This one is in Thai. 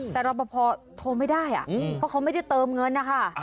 แต่รอปภโทรไม่ได้เพราะเขาไม่ได้เติมเงินนะคะ